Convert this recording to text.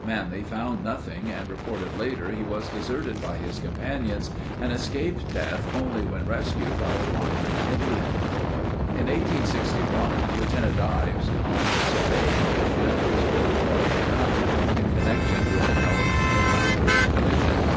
Manly found nothing and reported later he was deserted by his companions and escaped death only when rescued by a wandering Indian. In 1861 Lt. Ives on a surveying mission explored a part of the valley in connection with the California Boundary Commission.